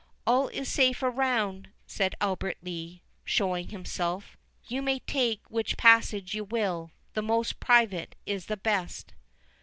"All is safe around," said Albert Lee, showing himself; "you may take which passage you will—the most private is the best."